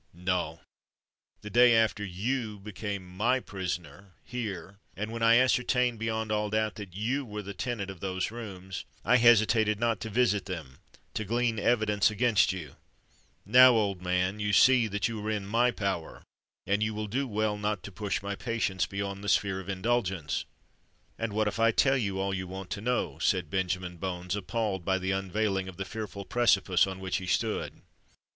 No: the day after you became my prisoner here, and when I ascertained beyond all doubt that you were the tenant of those rooms, I hesitated not to visit them, to glean evidence against you. Now, old man, you see that you are in my power; and you will do well not to push my patience beyond the sphere of indulgence." "And what if I tell you all you want to know?" said Benjamin Bones, appalled by the unveiling of the fearful precipice on which he stood.